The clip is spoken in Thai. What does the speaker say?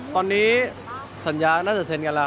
ตอนนี้สัญญาน่าจะเซ็นกันแล้ว